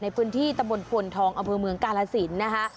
ในพื้นที่ตำบลพวนทองอำเภอเมืองกาลสินนะคะ